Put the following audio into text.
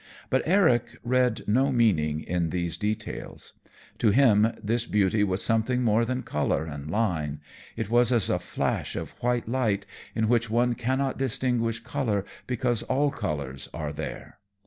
But Eric read no meaning in these details. To him this beauty was something more than color and line; it was as a flash of white light, in which one cannot distinguish color because all colors are there.